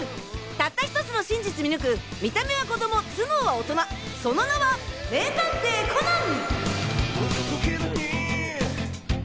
たった１つの真実見抜く見た目は子供頭脳は大人その名は名探偵コナン！